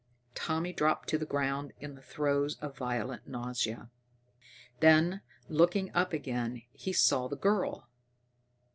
Tommy dropped to the ground in the throes of violent nausea. Then, looking up again, he saw the girl!